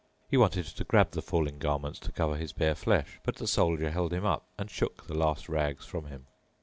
He wanted to grab the falling garments to cover his bare flesh, but the Soldier held him up and shook the last rags from him.